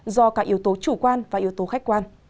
do cả yếu tố chủ quan và yếu tố khách quan